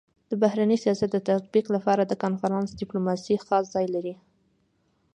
د بهرني سیاست د تطبيق لپاره د کنفرانس ډيپلوماسي خاص ځای لري.